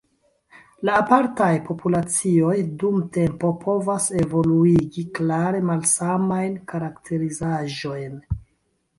La apartaj populacioj dum tempo povas evoluigi klare malsamajn karakterizaĵojn.